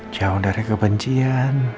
jauh dari kebencian